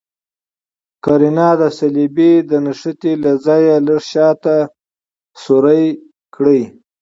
قرنیه د صلبیې د نښتې له ځای لږ شاته سورۍ کړئ.